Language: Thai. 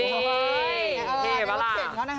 ได้รับเสร็จแล้วนะคะ